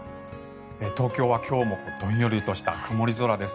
東京は今日もどんよりとした曇り空です。